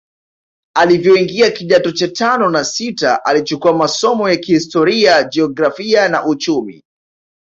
Alivyoingia kidato cha tano na sita alichukua masomo ya historia jiografia na uchumi